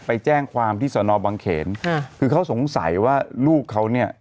ไปแจ้งความที่สนบังเขนค่ะคือเขาสงสัยว่าลูกเขาเนี่ย